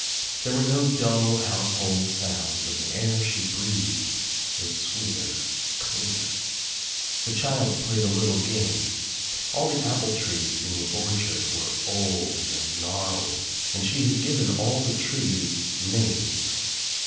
There were no dull 1 household sounds and the air she breathed was sweeter, cleaner. The child played a little game. All the apple 1 trees in the orchard were old and gnarled and she had 1 given all the trees names.